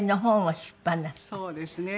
そうですね。